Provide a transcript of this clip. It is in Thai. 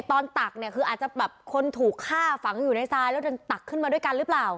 ตักเนี่ยคืออาจจะแบบคนถูกฆ่าฝังอยู่ในทรายแล้วเดินตักขึ้นมาด้วยกันหรือเปล่า